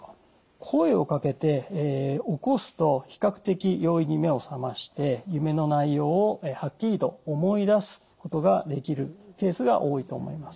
声をかけて起こすと比較的容易に目を覚まして夢の内容をはっきりと思い出すことができるケースが多いと思います。